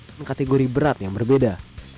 jiu jitsu adalah kategori berat yang berbeda